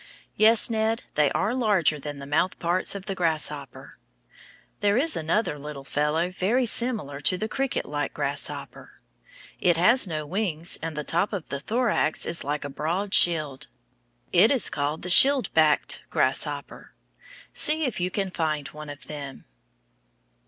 Yes, Ned, they are larger than the mouth parts of the grasshopper. There is another little fellow very similar to the cricket like grasshopper. It has no wings, and the top of the thorax is like a broad shield. It is called the shield backed grasshopper. See if you can find one of them.